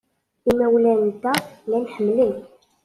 Imawlan-nteɣ llan ḥemmlen-k.